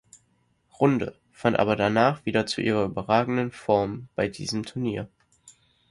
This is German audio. Runde, fand aber danach wieder zu ihrer überragenden Form bei diesem Turnier.